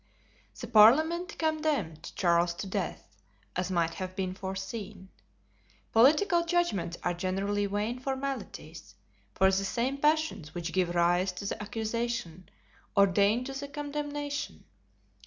The parliament condemned Charles to death, as might have been foreseen. Political judgments are generally vain formalities, for the same passions which give rise to the accusation ordain to the condemnation.